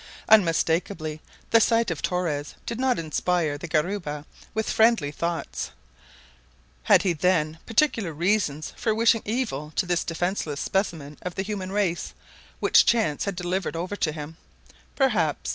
Unmistakably the sight of Torres did not inspire the guariba with friendly thoughts. Had he then particular reasons for wishing evil to this defenseless specimen of the human race which chance had delivered over to him? Perhaps!